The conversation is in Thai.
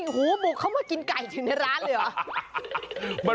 หูบุกเข้ามากินไก่ถึงในร้านเลยเหรอ